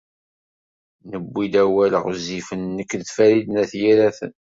Newwi-d awal ɣezzifen nekk d Farid n At Yiraten.